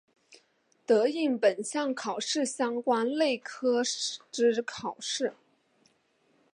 得应本项考试相关类科之考试。